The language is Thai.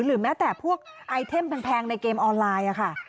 แม้แต่พวกไอเทมแพงในเกมออนไลน์ค่ะ